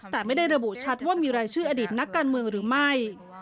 แต่ไม่ได้ระบุชัดว่ามีรายชื่ออดีตนักการเมืองหรือไม่